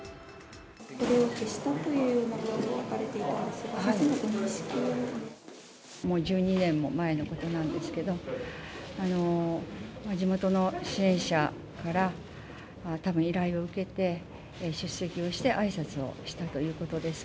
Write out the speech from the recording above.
それを消したというふうに書かれていたんですが、もう１２年も前のことなんですけど、地元の支援者からたぶん、依頼を受けて、出席をしてあいさつをしたということです。